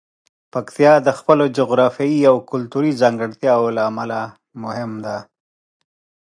پکتیا د خپلو جغرافیايي او کلتوري ځانګړتیاوو له امله مهم دی.